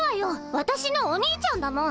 わたしのお兄ちゃんだもん。